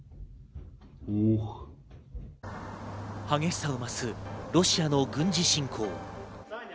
激しさを増すロシアの軍事侵攻。